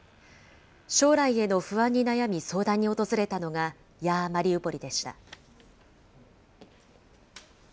将来への不安に悩み相談に訪れたのが、ヤー・マリウポリでした。